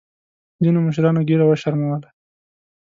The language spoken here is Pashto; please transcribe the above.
ځینو مشرانو ګیره وشرمولـه.